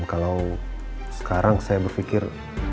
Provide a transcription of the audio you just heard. kalau sekarang saya berfikir